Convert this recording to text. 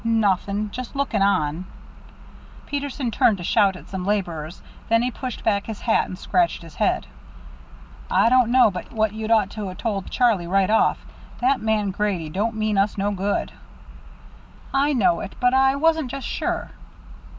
"Nothing. Just looking on." Peterson turned to shout at some laborers, then he pushed back his hat and scratched his head. "I don't know but what you'd ought to 'a' told Charlie right off. That man Grady don't mean us no good." "I know it, but I wasn't just sure."